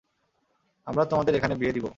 আমরা তোমাদের এখানে বিয়ে দিব।